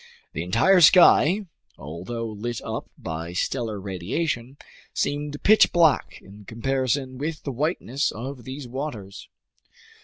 The entire sky, although lit up by stellar radiation, seemed pitch black in comparison with the whiteness of these waters.